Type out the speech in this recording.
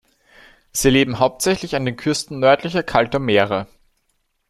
Sie leben hauptsächlich an den Küsten nördlicher, kalter Meere.